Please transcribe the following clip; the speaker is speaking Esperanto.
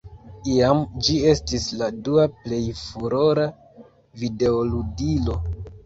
Iam ĝi estis la dua plej furora videoludilo.